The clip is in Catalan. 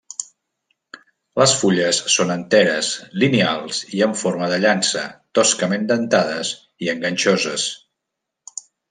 Les fulles són enteres, lineals i en forma de llança, toscament dentades i enganxoses.